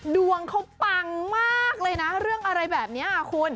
ดวงเขาปังมากเลยนะเรื่องอะไรแบบนี้คุณ